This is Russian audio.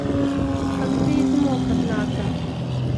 Как ты измок однако!